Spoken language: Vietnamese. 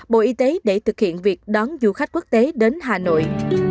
bộ y tế để thực hiện việc đón du khách quốc tế đến hà nội